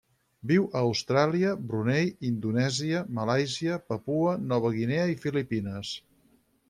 Viu a Austràlia, Brunei, Indonèsia, Malàisia, Papua Nova Guinea i Filipines.